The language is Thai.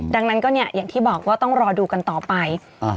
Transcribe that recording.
ดังนั้นก็เนี่ยอย่างที่บอกว่าต้องรอดูกันต่อไปอ่า